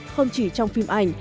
không chỉ trong phim ảnh